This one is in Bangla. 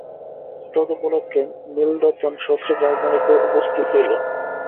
তদুপলক্ষে নীলরতন সস্ত্রীক রাজধানীতে উপস্থিত হইলেন।